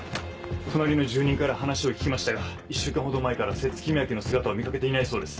隣の住人から話を聞きましたが１週間ほど前から摂津公明の姿を見掛けていないそうです。